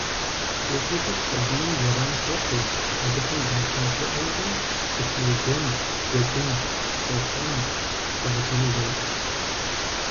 Техникэр сабийм зэран хуэхъуу, абыхэм дахьэхыӀуэурэ тхылъ еджэн, джэгун, псэлъэн щагъэтыжу жаӀэ.